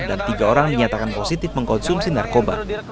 dan tiga orang dinyatakan positif mengkonsumsi narkoba